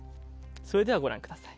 それではご覧ください。